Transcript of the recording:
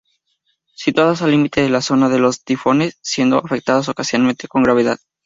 Situadas al límite de la zona de los tifones, siendo afectadas ocasionalmente con gravedad.